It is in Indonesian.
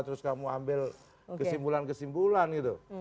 terus kamu ambil kesimpulan kesimpulan gitu